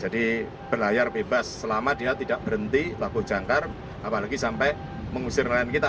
jadi berlayar bebas selama dia tidak berhenti laku jangkar apalagi sampai mengusir nelayan kita